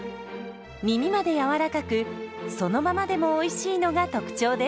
みみまでやわらかくそのままでもおいしいのが特徴です。